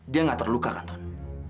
dia nggak terluka kan ton